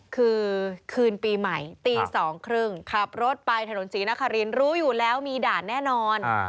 คือคืนปีใหม่ตี๒๓๐ขับรถไปถนนศรีนครินรู้อยู่แล้วมีด่านแน่นอน